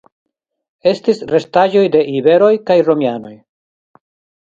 Estis restaĵoj de iberoj kaj romianoj.